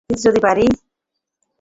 কিন্তু যদি পারি?